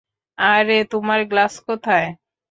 আরে তোমার গ্লাস কোথায়?